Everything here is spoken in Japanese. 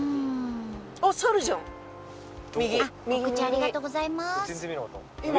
告知ありがとうございます。